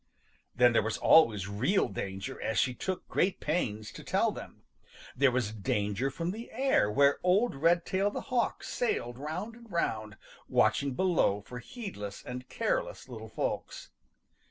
Then there was always real danger as she took great pains to tell them. There was danger from the air where old Redtail the Hawk sailed round and round, watching below for heedless and careless little folks.